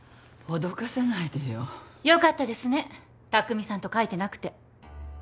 脅かさないでよ。よかったですね拓未さんと書いてなくて。